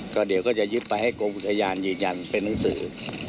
ก็เดี๋ยวก็จะยึดไปให้กรมอุทยานยืนยันเป็นหนังสือ